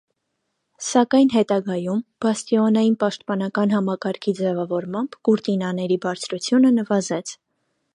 Սակայն հետագայում, բաստիոնային պաշտպանական համակարգի ձևավորմամբ, կուրտինաների բարձրությունը նվազեց։